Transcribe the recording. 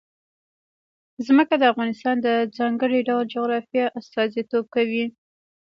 ځمکه د افغانستان د ځانګړي ډول جغرافیه استازیتوب کوي.